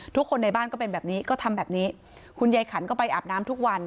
ทุกคนในบ้านก็เป็นแบบนี้ก็ทำแบบนี้คุณยายขันก็ไปอาบน้ำทุกวัน